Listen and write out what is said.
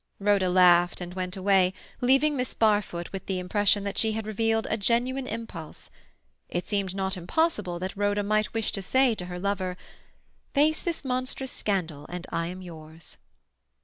Rhoda laughed and went away, leaving Miss Barfoot with the impression that she had revealed a genuine impulse. It seemed not impossible that Rhoda might wish to say to her lover: "Face this monstrous scandal and I am yours."